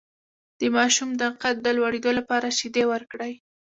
د ماشوم د قد د لوړیدو لپاره شیدې ورکړئ